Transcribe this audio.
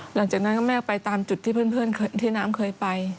หลังจากนั้นก็แม่ไปตามจุดที่เพื่อนที่น้ำเคยไป